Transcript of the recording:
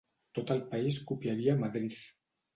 Tot el país copiaria Madriz.